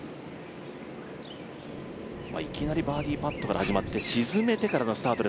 いきなりバーディーパットから始まって、沈めてですから。